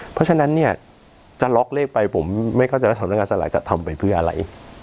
เพราะฉะนั้นเนี่ยจะล็อกเลขไปผมไม่เข้าใจว่าสำนักงานสลายจะทำไปเพื่ออะไร